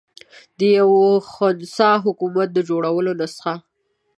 د یوه خنثی حکومت د جوړېدلو نسخه.